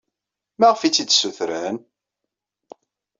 Maɣef ay tt-id-ssutren?